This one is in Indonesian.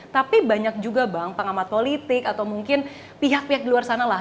tapi banyak juga bang pengamat politik atau mungkin pihak pihak di luar sana lah